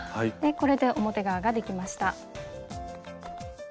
これで表側ができました。